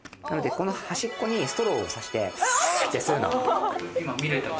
この端っこにストローをさして吸うの。